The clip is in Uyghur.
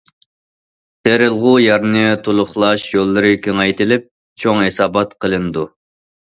تېرىلغۇ يەرنى تولۇقلاش يوللىرى كېڭەيتىلىپ،« چوڭ ھېسابات قىلىنىدۇ».